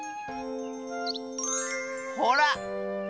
ほら！